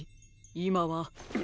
いまは？